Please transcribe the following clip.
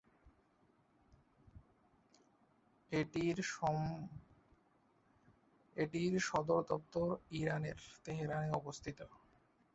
এটির সদরদপ্তর ইরানের, তেহরানে অবস্থিত।